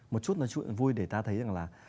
một chút nói chuyện vui để ta thấy rằng là